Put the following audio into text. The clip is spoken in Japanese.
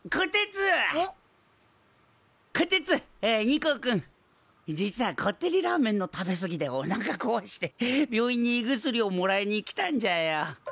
ニコくん実はこってりラーメンの食べ過ぎでおなかこわして病院に胃薬をもらいに来たんじゃよ。